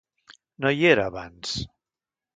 No hi era abans.